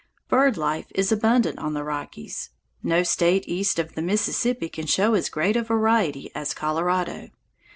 Bird life is abundant on the Rockies. No State east of the Mississippi can show as great a variety as Colorado.